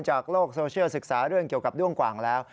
โลกโซเชียลศึกษาเรื่องเกี่ยวกับด้วงกว่างแล้ว